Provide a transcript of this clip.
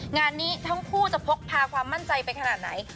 งานนี้ทั้งคู่จะพกพาความมั่นใจไปขนาดไหน